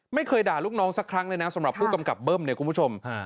ไม่เคยด่าลูกน้องสักครั้งเลยนะสำหรับผู้กำกับเบิ้มเนี่ยคุณผู้ชม